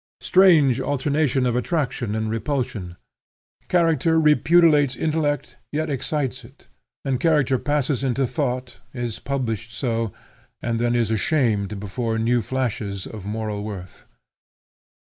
Strange alternation of attraction and repulsion! Character repudiates intellect, yet excites it; and character passes into thought, is published so, and then is ashamed before new flashes of moral worth.